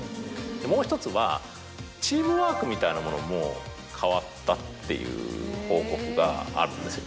もう１つはチームワークみたいなものも変わったっていう報告があるんですよね。